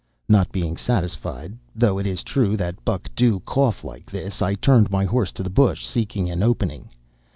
"Not being satisfied, though it is true that buck do cough like this, I turned my horse to the bush, seeking an opening.